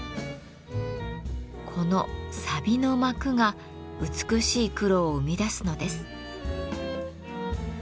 このさびの膜が美しい黒を生み出すのです。